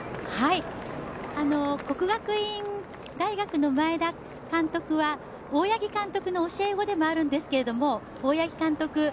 國學院大學の前田監督は大八木監督の教え子でもあるんですけど大八木監督